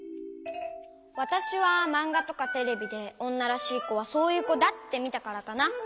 わたしはまんがとかテレビでおんならしいこはそういうこだってみたからかな。